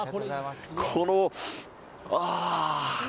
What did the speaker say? この、あー。